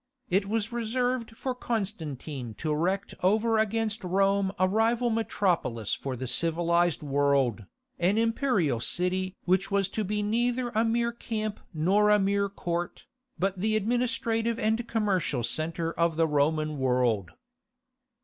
It was reserved for Constantine to erect over against Rome a rival metropolis for the civilized world, an imperial city which was to be neither a mere camp nor a mere court, but the administrative and commercial centre of the Roman world.